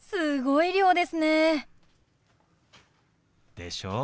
でしょ？